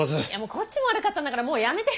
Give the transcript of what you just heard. こっちも悪かったんだからもうやめて！